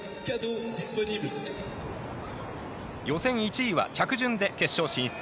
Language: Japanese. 予選１位は着順で決勝進出。